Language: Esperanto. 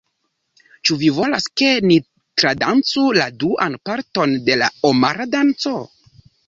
Ĉu vi volas ke ni tradancu la duan parton de la Omara Danco?